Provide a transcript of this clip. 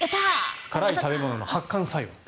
辛い食べ物の発汗作用。